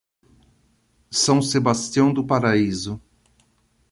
São Sebastião do Paraíso